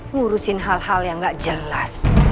ngurusin hal hal yang nggak jelas